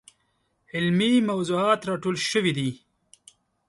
علمي موضوعات راټول شوي دي.